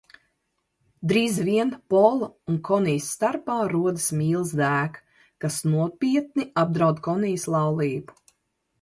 Drīz vien Pola un Konijas starpā rodas mīlas dēka, kas nopietni apdraud Konijas laulību.